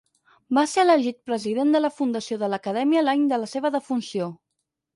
Va ser elegit president de la Fundació de l'Acadèmia l'any de la seva defunció.